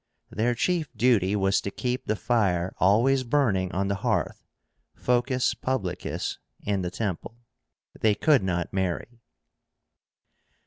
Their chief duty was to keep the fire always burning on the hearth (focus publicus) in the temple. They could not marry.